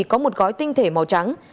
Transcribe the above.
có một gói tinh thể màu trắng